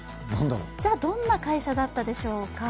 どんな会社だったでしょうか？